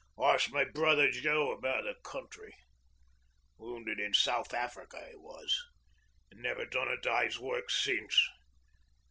Arst my brother Joe about the country. Wounded in South Africa 'e was, an' never done a day's work since.